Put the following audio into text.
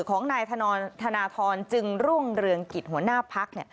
ของนายธนทรจึงรุ่งเรืองกิจหัวหน้าพัก